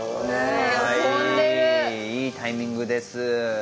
いいタイミングです。